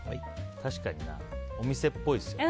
確かにお店っぽいですね。